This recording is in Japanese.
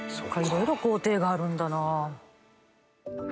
色々工程があるんだな。